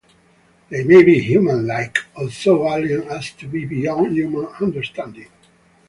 They may be human-like, or so alien as to be beyond human understanding.